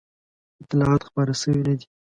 اطلاعات خپاره شوي نه دي.